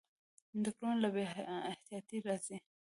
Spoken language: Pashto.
ټکرونه له بې احتیاطۍ راځي.